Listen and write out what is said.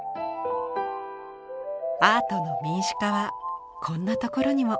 アートの民主化はこんなところにも。